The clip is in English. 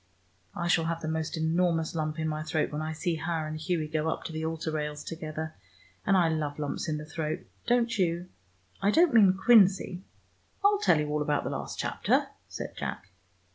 I shall have the most enormous lump in my throat when I see her and Hughie go up to the altar rails together, and I love lumps in the throat. Don't you? I don't mean quinzy." "I'll tell you all about the last chapter," said Jack.